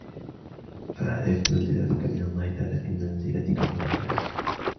فَاعْرِفْ مَنْزِلَتَك مِنْ اللَّهِ تَعَالَى بِمَنْزِلَتِك مِنْ النَّاسِ